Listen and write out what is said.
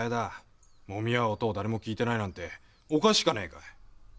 もみ合う音を誰も聞いてないなんておかしかねえかい。